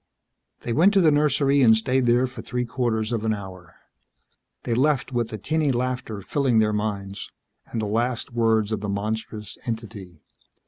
They went to the nursery and stayed there for three quarters of an hour. They left with the tinny laughter filling their minds and the last words of the monstrous entity.